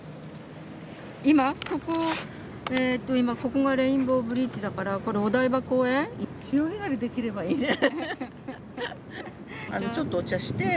今、ここ、今、ここがレインボーブリッジだから、これ、お台場公園？潮干狩りできればいいね。ちょっとお茶して。